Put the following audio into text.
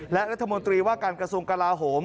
และรัฐมนตรีว่าการกระทรวงกลาโหม